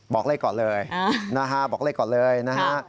บอกเลขก่อนเลยนะฮะบอกเลขก่อนเลยนะฮะ